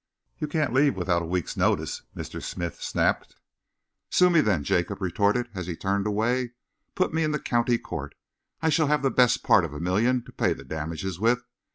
"You can't leave without a week's notice," Mr. Smith snapped. "Sue me, then," Jacob retorted, as he turned away. "Put me in the County Court. I shall have the best part of a million to pay the damage with.